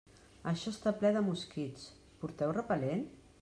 Això està ple de mosquits, porteu repel·lent?